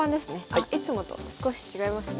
あっいつもと少し違いますね。